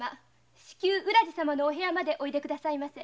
至急浦路様のお部屋までおいでくださいませ。